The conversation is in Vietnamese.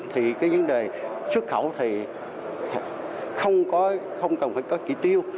thì cái vấn đề xuất khẩu thì không cần phải có chỉ tiêu